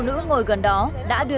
mẹ không có tiền đền đâu